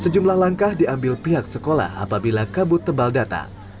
sejumlah langkah diambil pihak sekolah apabila kabut tebal datang